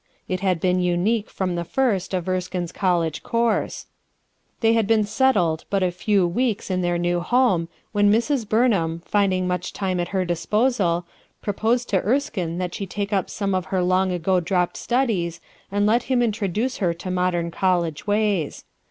It had been unique from the first of Erskine's college course. They had been settled but a f ew weeks in their new home when Mrs Burnham, finding much time at her disposal, proposed to Erskine that she take up some of her long ago dropped studies and let him introduce her to modern college ways.